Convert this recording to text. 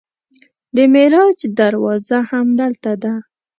د معراج دروازه همدلته ده.